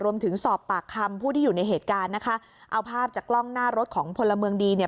รวมถึงสอบปากคำผู้ที่อยู่ในเหตุการณ์นะคะเอาภาพจากกล้องหน้ารถของพลเมืองดีเนี่ย